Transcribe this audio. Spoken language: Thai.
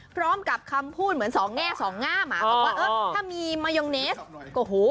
พร้อมกับคำพูดเหมือนสองแง่สองงามบอกว่าเออถ้ามีมายองเนสโอ้โห